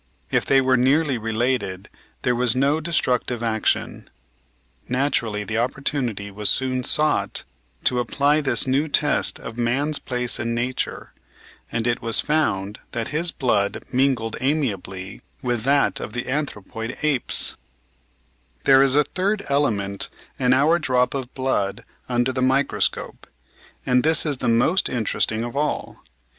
If they were nearly related, there was no destructive action. Naturally, the opportunity was soon sought to apply this new test of "man's place in nature," and it was found that his blood mingled amiably with that of the anthropoid apes I There is a third element in our drop of blood under the microscope, and this is the most interesting of all.